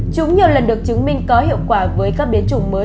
chúng nhiều lần được chứng minh có hiệu quả với các biến chủng mới